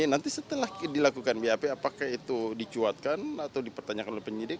nanti setelah dilakukan bap apakah itu dicuatkan atau dipertanyakan oleh penyidik